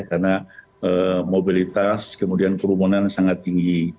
karena mobilitas kemudian kerumunan sangat tinggi